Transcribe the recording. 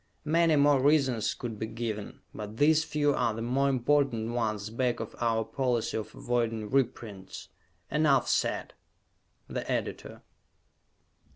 Many more reasons could be given, but these few are the more important ones back of our policy of avoiding reprints. Enough said! _The Editor.